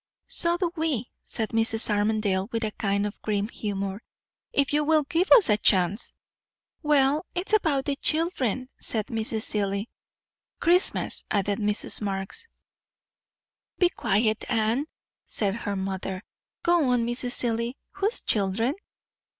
"So do we," said Mrs. Armadale, with a kind of grim humour, "if you will give us a chance." "Well, it's about the children," said Mrs. Seelye. "Christmas " added Mrs. Marx. "Be quiet, Anne," said her mother. "Go on, Mrs. Seelye. Whose children?"